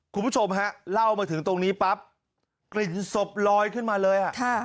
คุณผู้ชมฮะเล่ามาถึงตรงนี้ปั๊บกลิ่นศพลอยขึ้นมาเลย